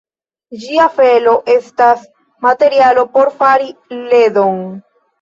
Ĝia felo estas materialo por fari ledon.